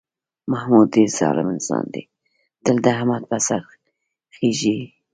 محمود ډېر ظالم انسان دی، تل د احمد په سر خېژي.